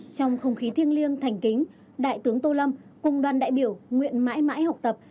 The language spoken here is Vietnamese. trong không khí thiêng liêng thành kính đại tướng tô lâm cùng đoàn đại biểu nguyện mãi mãi học tập